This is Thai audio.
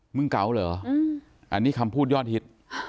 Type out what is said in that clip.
เก๋าเหรออันนี้คำพูดยอดฮิต